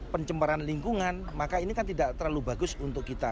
pencemaran lingkungan maka ini kan tidak terlalu bagus untuk kita